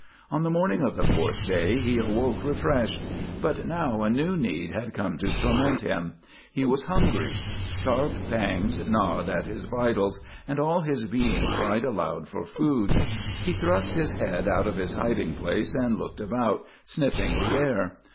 On the morning of the fourth day he awoke refreshed. But now a new need had come to torment him. He was hungry. Sharp pangs gnawed at his vitals and all his being cried aloud for food. He thrust his head out of his hiding place and looked about, sniffing the air.